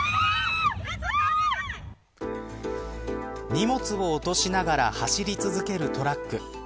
荷物を落としながら走り続けるトラック。